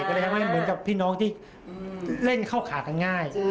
ก็เลยทำให้เหมือนกับพี่น้องที่เล่นเข้าขากันง่าย